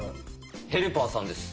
ヘルパーさんです。